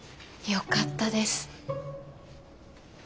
よかったです。